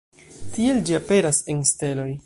Tiel ĝi aperas en steloj.